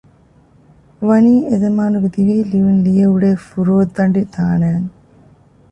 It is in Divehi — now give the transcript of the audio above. ވަނީ އެ ޒަމާނުގެ ދިވެހި ލިޔުން ލިޔެ އުޅޭ ފުރޯދަނޑި ތާނައިން